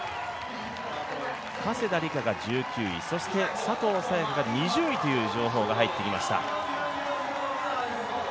加世田梨花が１９位そして佐藤早也伽が２０位という情報が入ってきました。